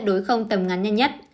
nó sẽ đối không tầm ngắn nhanh nhất